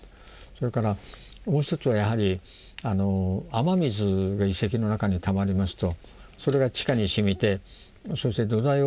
それからもう一つはやはり雨水が遺跡の中にたまりますとそれが地下に染みてそして土台を動かすんですね。